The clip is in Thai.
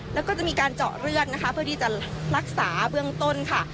แล้วก็จะมีการเจาะเลือดนะคะเพื่อที่จะรักษาเบื้องต้นค่ะ